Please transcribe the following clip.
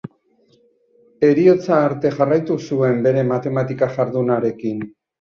Heriotza arte jarraitu zuen bere matematika jardunarekin.